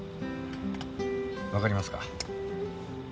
わかりますか。